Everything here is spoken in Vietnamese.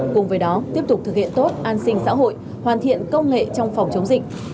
cùng với đó tiếp tục thực hiện tốt an sinh xã hội hoàn thiện công nghệ trong phòng chống dịch